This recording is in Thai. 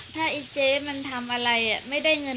ถ้าไอ้เจ๊มันทำอะไรไม่ได้เงิน